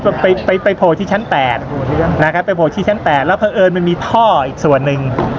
เมื่อปลายพูดช้างชั้น๘แล้วเผอิญมันมีท่ออีกส่วนนึง